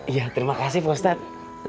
ya terima kasih pak ustadz